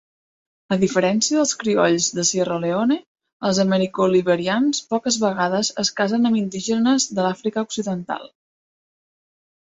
A diferència dels criolls de Sierra Leone, els americo-liberians poques vegades es casen amb indígenes de l'Àfrica Occidental.